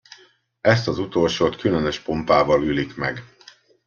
Ezt az utolsót különös pompával ülik meg.